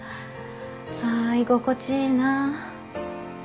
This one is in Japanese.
あ居心地いいな